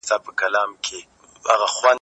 درسونه په پښتو تشریح سول.